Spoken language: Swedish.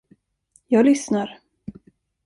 Jag lyssnar.